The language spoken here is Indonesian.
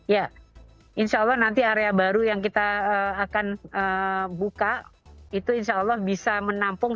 ya insya allah nanti area baru yang kita akan buka itu insya allah bisa menampung